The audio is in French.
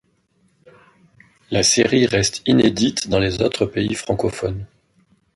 La série reste inédite dans les autres pays francophones.